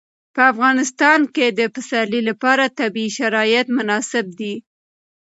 په افغانستان کې د پسرلی لپاره طبیعي شرایط مناسب دي.